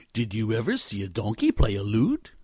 "Did you ever see a donkey play a lute?"